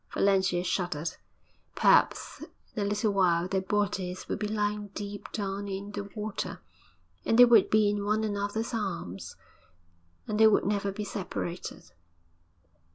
Valentia shuddered. Perhaps in a little while their bodies would be lying deep down in the water. And they would be in one another's arms, and they would never be separated.